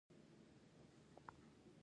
دا په حقیقت کې د اضافي ارزښت یوه برخه ده